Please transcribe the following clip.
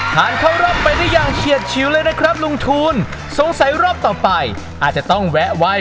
เข้ารอบไปได้อย่างเฉียดชิวเลยนะครับลุงทูลสงสัยรอบต่อไปอาจจะต้องแวะไว้